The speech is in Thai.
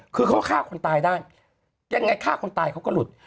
คือเขาฆ่าคนตายได้ยังไงฆ่าคนตายเขาก็หลุด